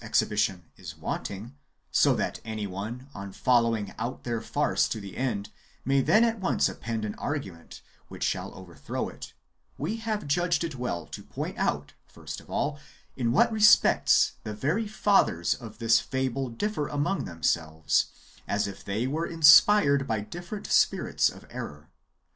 exhibition is wanting, so that any one, on following out their farce to the end, may then at once append an argument which shall overthrow it, we have judged it well to point out, first of all, in what respects the very fathers of this fable differ among themselves, as if they v/ere inspired by different spirits of error.